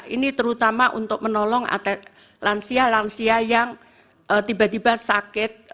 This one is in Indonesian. ini terutama untuk menolong lansia lansia yang tiba tiba sakit